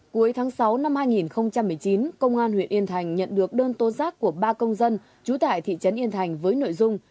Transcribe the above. cuối tháng sáu năm hai nghìn một mươi chín công an huyện yên thành nhận được đơn tố giác của ba công dân trú tại thị trấn yên thành với nội dung